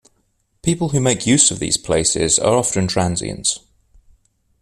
People who make use of these places are often transients.